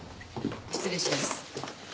失礼します。